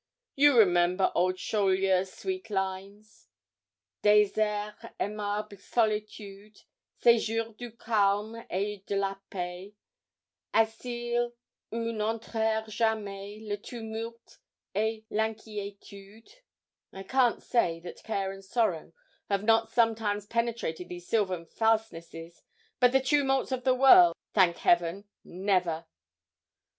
You remember old Chaulieu's sweet lines Désert, aimable solitude, Séjour du calme et de la paix, Asile où n'entrèrent jamais Le tumulte et l'inquiétude. I can't say that care and sorrow have not sometimes penetrated these sylvan fastnesses; but the tumults of the world, thank Heaven! never.'